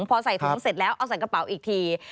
พอใส่ถุงเสร็จแล้วเอาใส่กระเป๋าอีกที